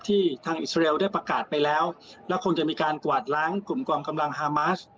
ทางอิสราเอลได้ประกาศไปแล้วและคงจะมีการกวาดล้างกลุ่มกองกำลังฮามาส